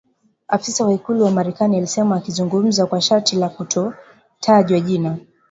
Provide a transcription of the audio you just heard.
afisa wa ikulu ya Marekani alisema akizungumza kwa sharti la kutotajwa jina